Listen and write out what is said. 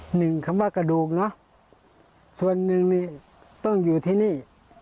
หนึ่งคำว่ากระดูกเนอะส่วนหนึ่งนี่ต้องอยู่ที่นี่